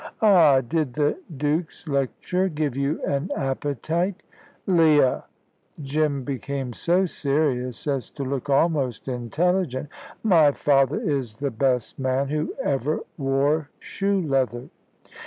"Ah! Did the Duke's lecture give you an appetite?" "Leah!" Jim became so serious as to look almost intelligent. "My father is the best man who ever wore shoe leather."